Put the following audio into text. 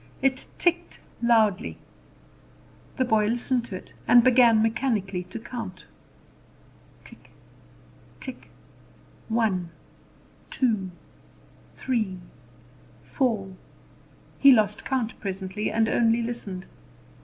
It ticked loudly. The boy listened to it, and began mechanically to count. Tick tick one, two, three, four! He lost count presently, and only listened.